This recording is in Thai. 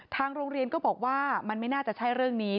ทางโรงเรียนก็บอกว่ามันไม่น่าจะใช่เรื่องนี้